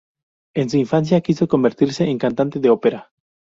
En su infancia, quiso convertirse en cantante de ópera.